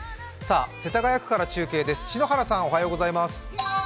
世田谷区から中継です。